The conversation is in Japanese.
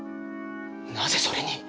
なぜそれに！